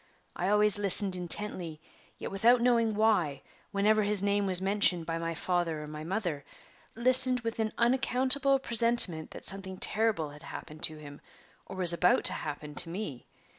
I always listened intently, yet without knowing why, whenever his name was mentioned by my father or my mother listened with an unaccountable presentiment that something terrible had happened to him, or was about to happen to me.